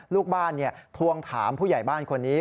ลูกบ้านทวงถามผู้ใหญ่บ้านคนนี้